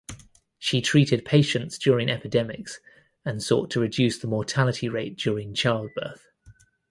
She treated patients during epidemics and sought to reduce the mortality rate during childbirth.